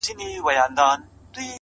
ژمنتیا له خوبه عمل جوړوي!.